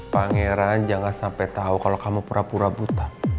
pangeran jangan sampai tahu kalau kamu pura pura buta